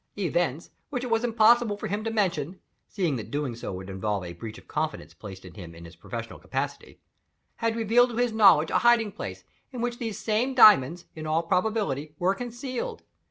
Events, which it was impossible for him to mention (seeing that doing so would involve a breach of confidence placed in him in his professional capacity), had revealed to his knowledge a hiding place in which these same diamonds, in all probability, were concealed.